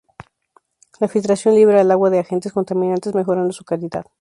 La filtración libra al agua de agentes contaminantes mejorando su calidad.